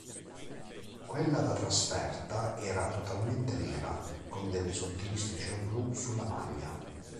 Quella da trasferta era totalmente nera, con delle sottili strisce blu sulla maglia.